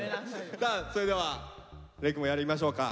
さあそれでは玲駈もやりましょうか。